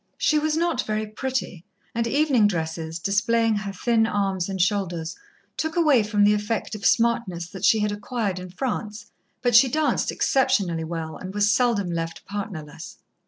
She was not very pretty, and evening dresses, displaying her thin arms and shoulders, took away from the effect of smartness that she had acquired in France, but she danced exceptionally well, and was seldom left partnerless.